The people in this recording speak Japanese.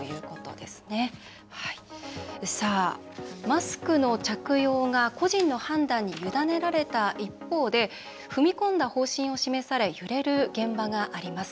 マスクの着用が個人の判断に委ねられた一方で踏み込んだ方針が示され揺れる現場があります。